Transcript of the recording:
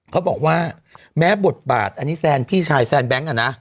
เขาบอกว่าแม้บทบาทอันนี้แซนพี่ชายแซนแก๊งอ่ะนะ